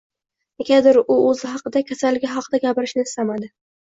Negadir u oʻzi haqida, kasalligi haqida gapirishni istamadi.